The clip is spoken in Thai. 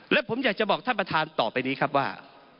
และผมอยากจะบอกท่านประธานต่อไปนี้ครับว่า